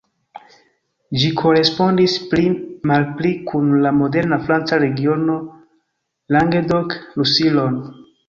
Ĝi korespondis pli malpli kun la moderna franca regiono Languedoc-Roussillon.